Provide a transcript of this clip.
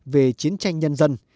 về chiến tranh nhân dân